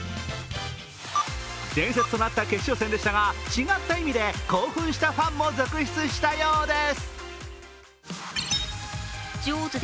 伝説となった決勝戦でしたが違った意味で興奮したファンも続出したようです。